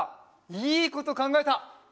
いいことかんがえた！